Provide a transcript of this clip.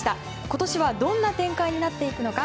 今年はどんな展開になっていくのか。